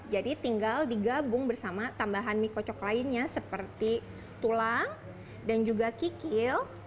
jadi tinggal digabung bersama tambahan mie kocok lainnya seperti tulang dan juga kikil